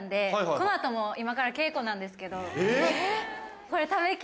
この後も今から稽古なんですけど。